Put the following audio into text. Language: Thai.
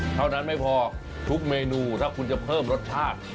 เท่านั้นไม่พอทุกเมนูถ้าคุณจะเพิ่มรสชาติ